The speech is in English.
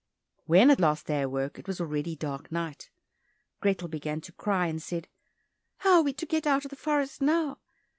When at last they awoke, it was already dark night. Grethel began to cry and said, "How are we to get out of the forest now?"